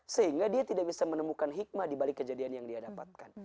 sehingga dia tidak bisa menemukan hikmah dibalik kejadian yang dia dapatkan